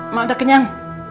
mbak udah kenyang